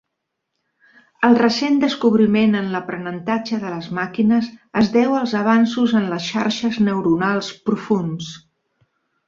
El recent descobriment en l'aprenentatge de les màquines es deu als avanços en les xarxes neuronals profunds.